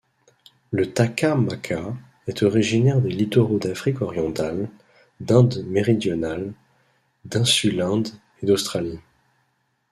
Le takamaka est originaire des littoraux d'Afrique orientale, d'Inde méridionale, d'Insulinde et d'Australie.